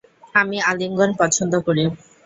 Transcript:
আমি আলিঙ্গন পছন্দ করি।